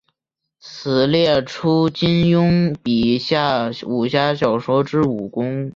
此列出金庸笔下武侠小说之武功。